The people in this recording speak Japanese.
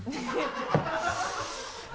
ハハハ